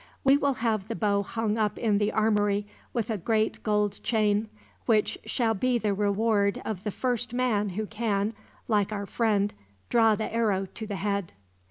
We will have the bow hung up in the armory, with a great gold chain; which shall be the reward of the first man who can, like our friend, draw the arrow to the head."